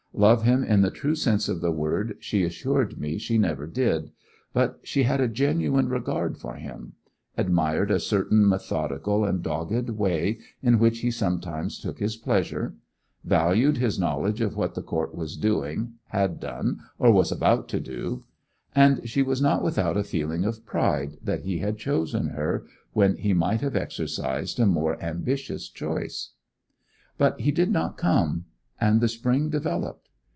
Love him in the true sense of the word she assured me she never did, but she had a genuine regard for him; admired a certain methodical and dogged way in which he sometimes took his pleasure; valued his knowledge of what the Court was doing, had done, or was about to do; and she was not without a feeling of pride that he had chosen her when he might have exercised a more ambitious choice. But he did not come; and the spring developed.